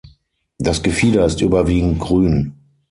Das Gefieder ist überwiegend grün.